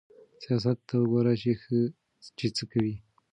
سياست ته وګوره چې څه کوي.